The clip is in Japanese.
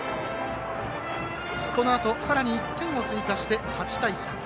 このあとさらに１点を追加して８対３。